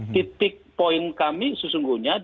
titik poin kami sesungguhnya